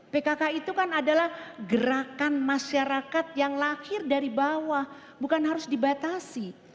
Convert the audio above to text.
pkk itu kan adalah gerakan masyarakat yang lahir dari bawah bukan harus dibatasi